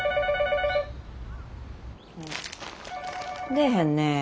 ☎出えへんね。